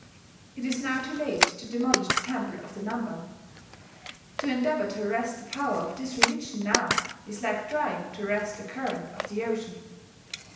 'It is now too late to demolish the Temple of the Namban. To endeavour to arrest the power of this religion now is like trying to arrest the current of the ocean.